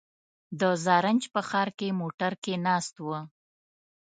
د زرنج په ښار کې موټر کې ناست و.